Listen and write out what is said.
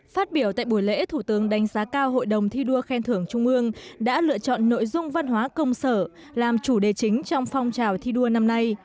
phát biểu tại buổi lễ thủ tướng đánh giá cao hội đồng thi đua khen thưởng trung ương đã lựa chọn nội dung văn hóa công sở làm chủ đề chính trong phong trào thi đua năm nay